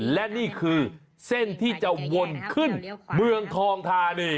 และนี่คือเส้นที่จะวนขึ้นเมืองทองธานี